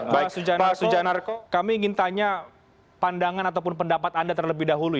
pak suja narko kami ingin tanya pandangan ataupun pendapat anda terlebih dahulu